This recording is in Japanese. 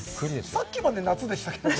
さっきまで夏でしたけどね。